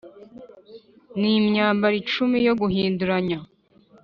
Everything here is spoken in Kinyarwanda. n imyambaro icumi yo guhinduranya